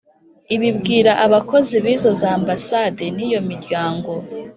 Ubibwira abakozi b'izo za ambasade n'iyo miryango